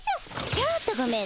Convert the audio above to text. ちょっとごめんね。